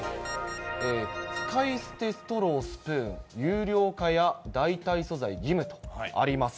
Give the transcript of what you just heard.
使い捨てストロー、スプーン、有料化や代替素材、義務とあります。